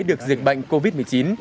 được diệt bệnh covid một mươi chín